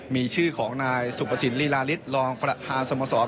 มีชื่อของนายสุปสินริลาริสรองฝรัฐาสมสอบ